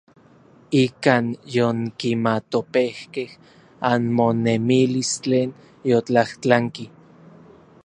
Ikan yonkimatopejkej anmonemilis tlen yotlajtlanki.